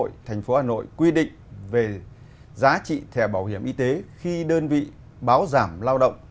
bảo hiểm xã hội của hà nội quy định về giá trị thẻ bảo hiểm y tế khi đơn vị báo giảm lao động